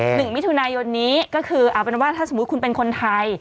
หนึ่งมิถุนายนนี้ก็คือเอาเป็นว่าถ้าสมมุติคุณเป็นคนไทย